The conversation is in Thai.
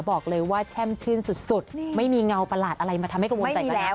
บอกเลยว่าแช่มชื่นสุดไม่มีเงาประหลาดอะไรมาทำให้กังวลใจกันแล้ว